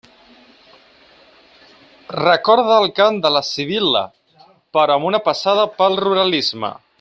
Recorda el cant de la Sibil·la, però amb una passada pel ruralisme.